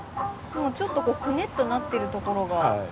ちょっとくねっとなってるところが。